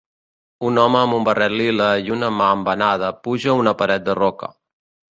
Un home amb un barret lila i una mà embenada puja una paret de roca.